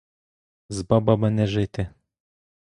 З бабами не жити!